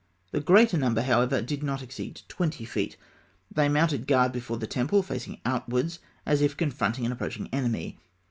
The greater number, however, did not exceed twenty feet. They mounted guard before the temple, facing outwards, as if confronting an approaching enemy.